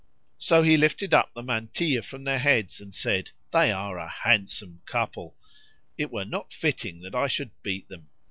So he lifted up the mantilla from their heads and said, "They are a handsome couple; it were not fitting that I should beat them."